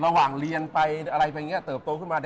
ระหว่างเรียนไปอะไรไปอย่างนี้เติบโตขึ้นมา